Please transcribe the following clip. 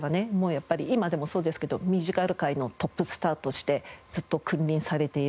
やっぱり今でもそうですけどミュージカル界のトップスターとしてずっと君臨されている。